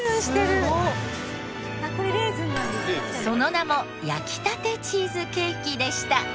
その名も焼きたてチーズケーキでした。